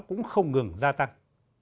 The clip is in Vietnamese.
cũng không ngừng gia tăng